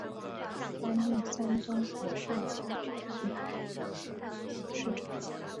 担任山东华盛江泉集团董事长。